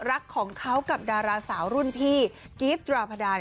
รักของเขากับดาราสาวรุ่นพี่กิฟต์ดราพดา